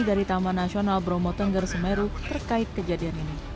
dari taman nasional bromo tengger semeru terkait kejadian ini